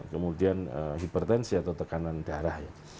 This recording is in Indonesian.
kemudian hipertensi atau tekanan darah ya